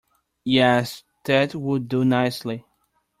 Yes, that would do nicely.